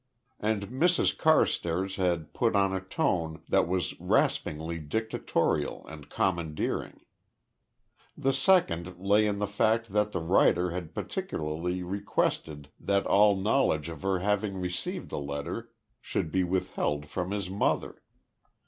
And Mrs Carstairs had put on a tone that was raspingly dictatorial and commandeering. The second lay in the fact that the writer had particularly requested that all knowledge of her having received the letter should be withheld from his mother.